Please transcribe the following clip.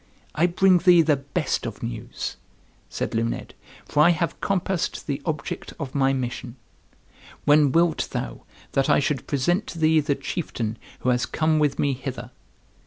"I bring thee the best of news," said Luned, "for I have compassed the object of my mission. When wilt thou that I should present to thee the chieftain who has come with me hither?"